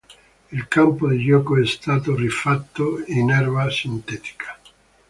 Il campo di gioco è stato rifatto in erba sintetica.